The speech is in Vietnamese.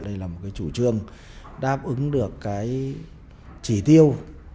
đây là một cái chủ trương đáp ứng được cái chỉ tiêu